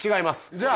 じゃあ。